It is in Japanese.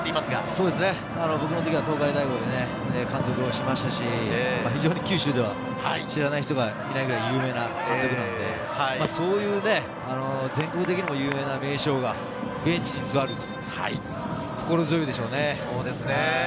僕の時は東海大五で監督をしましたし、九州では知らない人がいないくらい有名な監督なので、そういう、全国的にも有名な名将がベンチに座る、心強いでしょうね。